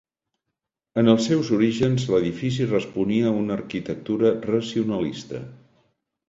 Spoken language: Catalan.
En els seus orígens l'edifici responia a una arquitectura racionalista.